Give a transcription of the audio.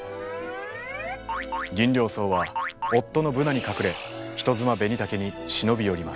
ギンリョウソウは夫のブナに隠れ人妻ベニタケに忍び寄ります。